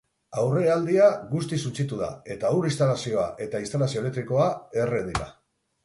Aurrealdea guztiz suntsitu da, eta ur-instalazioa eta instalazio elektrikoa erre dira.